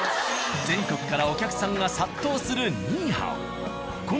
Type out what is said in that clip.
全国からお客さんが殺到する「好」。